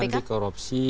penglihat anti korupsi